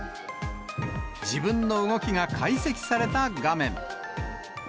自分の動きが解析された画面。